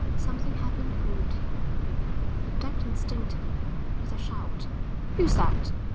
Something had been thrown at him. He ducked instinctively. With a shout, "Who's that"?